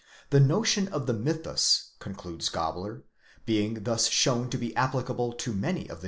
The notion of the mythus, concludes Gabler, being thus shown to be applicable to many of the.